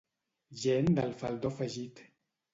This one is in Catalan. Gent del faldó afegit.